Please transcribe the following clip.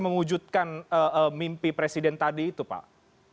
mewujudkan mimpi presiden tadi itu pak